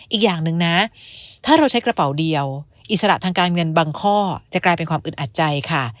อีกอย่างหนึ่งนะถ้าเราใช้กระเป๋าเดียวอิสระทางการเงินบางข้อจะกลายเป็นความอึดอัดใจค่ะ